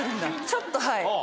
ちょっとはい。